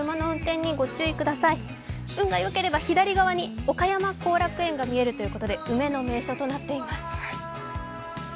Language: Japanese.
運がよければ左側に岡山後楽園が見えるということで梅の名所となっています。